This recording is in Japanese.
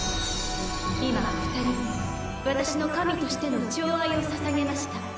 今二人に私の神としての寵愛をささげました。